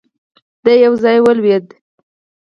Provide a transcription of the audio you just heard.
دی يو ځای ولوېد.